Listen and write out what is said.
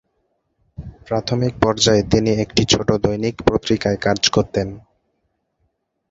প্রাথমিক পর্যায়ে তিনি একটি ছোট দৈনিক পত্রিকায় কাজ করতেন।